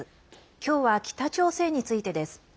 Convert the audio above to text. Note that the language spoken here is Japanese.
今日は北朝鮮についてです。